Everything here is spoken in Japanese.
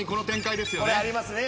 これありますね。